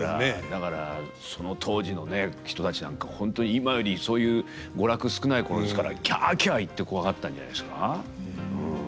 だからその当時のね人たちなんか本当に今よりそういう娯楽少ない頃ですから「キャキャ」言ってコワがったんじゃないですかうん。